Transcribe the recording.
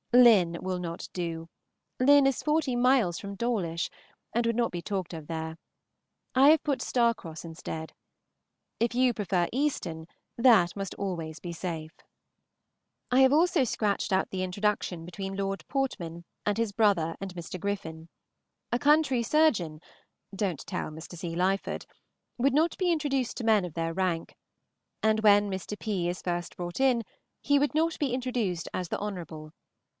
Lynn will not do. Lynn is towards forty miles from Dawlish and would not be talked of there. I have put Starcross instead. If you prefer Easton, that must be always safe. I have also scratched out the introduction between Lord Portman and his brother and Mr. Griffin. A country surgeon (don't tell Mr. C. Lyford) would not be introduced to men of their rank; and when Mr. P. is first brought in, he would not be introduced as the Honorable.